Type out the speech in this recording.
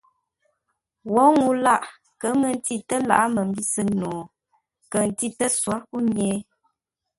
Wǒ ŋuu lâʼ kə̌ mə́ ntî tə́ lǎghʼ məmbî sʉ́ŋ no, kəʉ ntî tə́ sǎr kúnye?